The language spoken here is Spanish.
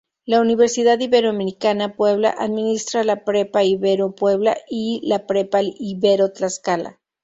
La Universidad Iberoamericana Puebla administra la Prepa Ibero Puebla y la Prepa Ibero Tlaxcala.